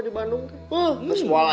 kita turun kemana